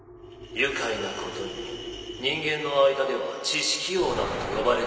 ・愉快なことに人間の間では知識王などと呼ばれているようだな。